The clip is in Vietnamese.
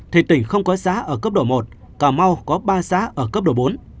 thì tỉnh không có xã ở cấp độ một cà mau có ba xã ở cấp độ bốn